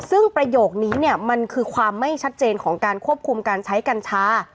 ซึ่งประโยคนี้เนี่ยมันคือความไม่ชัดเจนของการควบคุมการใช้กัญชา